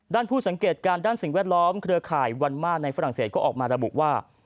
ผู้สังเกตการณ์ด้านสิ่งแวดล้อมเครือข่ายวันมาในฝรั่งเศสก็ออกมาระบุว่า